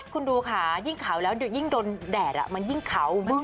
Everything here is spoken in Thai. คุณดูค่ะยิ่งเขาแล้วยิ่งโดนแดดมันยิ่งเขา